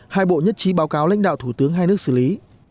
hai bộ nhất trí báo cáo lãnh đạo thủ tướng hai nước xử lý